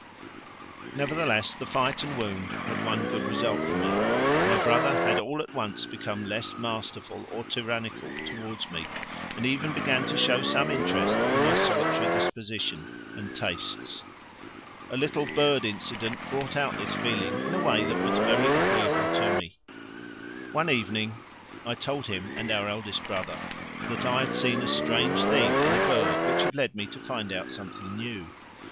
Nevertheless, the fight and wound had one good result for me; my brother had all at once become less masterful, or tyrannical, towards me, and even began to show some interest in my solitary disposition and tastes. A little bird incident brought out this feeling in a way that was very agreeable to me. One evening I told him and our eldest brother that I had seen a strange thing in a bird which had led me to find out something new.